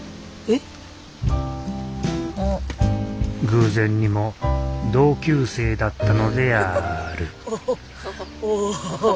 偶然にも同級生だったのであるおお。